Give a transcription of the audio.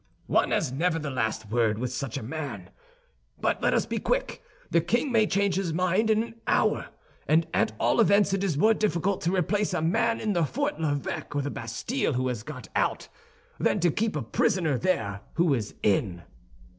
"One has never the last word with such a man. But let us be quick—the king may change his mind in an hour; and at all events it is more difficult to replace a man in the Fort l'Evêque or the Bastille who has got out, than to keep a prisoner there who is in."